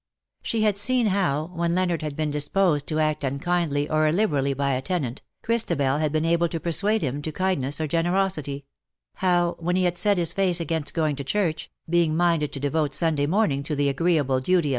^' She had seen how, when Leonard had been dis posed to act unkindly or illiberally by a tenant, Christabel had been able to persuade him to kind ness or generosity — how, when he had set his face against going to church, being minded to devote Sunday morning to the agreeable duty o^ IN SOCIETY.